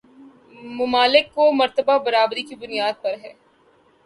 ممالک کو مرتبہ برابری کی بنیاد پر ہے